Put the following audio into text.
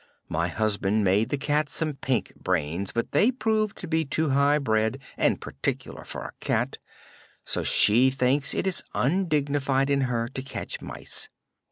"My husband made the cat some pink brains, but they proved to be too high bred and particular for a cat, so she thinks it is undignified in her to catch mice.